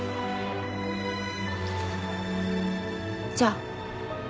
じゃあ。